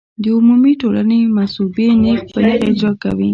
د عمومي ټولنې مصوبې نېغ په نېغه اجرا کوي.